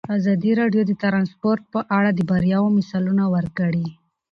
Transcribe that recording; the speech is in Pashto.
ازادي راډیو د ترانسپورټ په اړه د بریاوو مثالونه ورکړي.